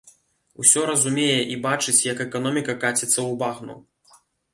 Усё разумее, і бачыць, як эканоміка каціцца ў багну.